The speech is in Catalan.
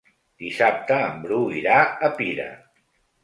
Dissabte en Bru irà a Pira.